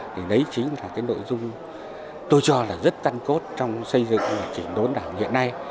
thì đấy chính là cái nội dung tôi cho là rất căn cốt trong xây dựng và chỉnh đốn đảng hiện nay